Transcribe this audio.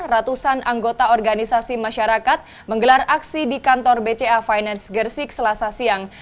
ratusan anggota organisasi masyarakat menggelar aksi di kantor bca finance gersik selasa siang